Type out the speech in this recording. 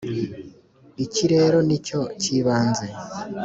iki rero ni cyo cy’ibanze